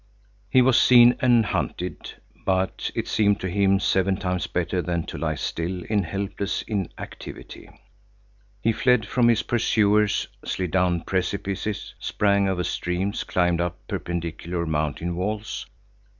He was seen and hunted, but it seemed to him seven times better than to lie still in helpless inactivity. He fled from his pursuers, slid down precipices, sprang over streams, climbed up perpendicular mountain walls.